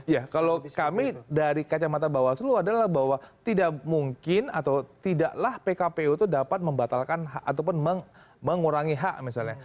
ya kalau kami dari kacamata bawaslu adalah bahwa tidak mungkin atau tidaklah pkpu itu dapat membatalkan ataupun mengurangi hak misalnya